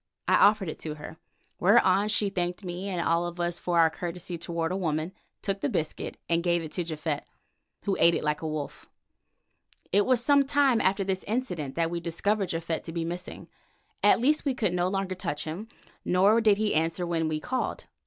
I offered it to her, whereon she thanked me and all of us for our courtesy toward a woman, took the biscuit, and gave it to Japhet, who ate it like a wolf. It was some time after this incident that we discovered Japhet to be missing; at least we could no longer touch him, nor did he answer when we called.